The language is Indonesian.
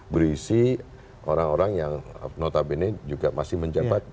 berisi orang orang yang notabene juga masih menjabat